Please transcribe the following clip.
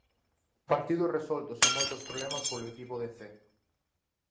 Partido resolto sen moitos problemas polo equipo de Cee.